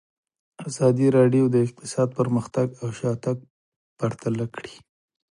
ازادي راډیو د اقتصاد پرمختګ او شاتګ پرتله کړی.